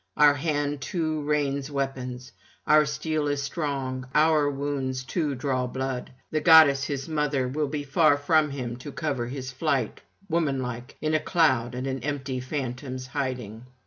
Our hand too rains weapons, our steel is strong; and our wounds too draw blood. The goddess his mother will be far from him to cover his flight, woman like, in a cloud and an empty phantom's hiding.'